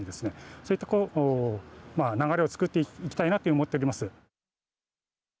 そういった流れをつくっていきたいなと思っております。